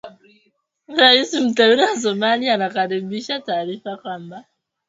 Raisi mteule wa Somalia anakaribisha taarifa kwamba